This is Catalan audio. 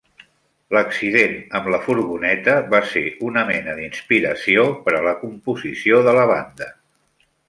L'accident amb la furgoneta va ser una mena d'inspiració per a la composició de la banda.